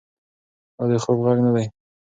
دا د خوب غږ نه دی.